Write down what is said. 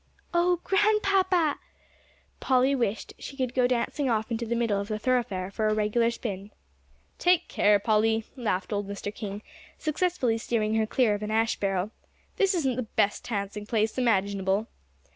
"Oh, Grandpapa!" Polly wished she could go dancing off into the middle of the thoroughfare for a regular spin. "Take care, Polly," laughed old Mr. King, successfully steering her clear of an ash barrel, "this isn't the best dancing place imaginable."